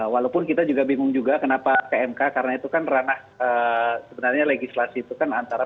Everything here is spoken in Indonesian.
walaupun kita juga bingung juga kenapa ke mk karena itu kan ranah sebenarnya legislasi itu kan antara